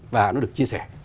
và nó được chia sẻ